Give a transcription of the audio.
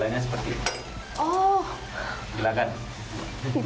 boleh dipegang gak boleh dibawa pulang